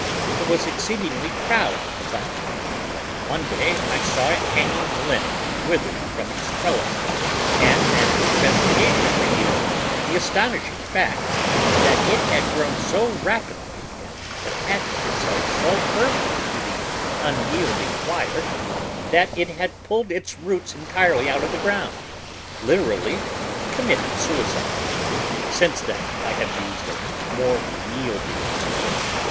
I was exceedingly proud of the vine, but one day I saw it hanging limp and withered from its trellis, and an investigation revealed the astonishing fact that it had grown so rapidly and attached itself so firmly to the unyielding wire that it had pulled its roots entirely out of the ground, literally committing suicide. Since then I have used a more yielding support.